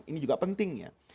ini juga penting ya